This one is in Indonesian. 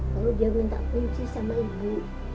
lalu dia minta kunci sama ibu